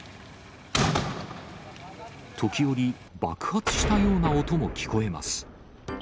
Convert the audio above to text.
時折、爆発したような音も聞こえます。